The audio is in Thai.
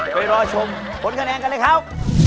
ไปรอชมผลคะแนนกันเลยครับ